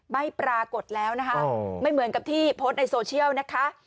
ไม่ปรากฏแล้วนะคะไม่เหมือนกับที่โพสต์ในโซเชียลนะคะ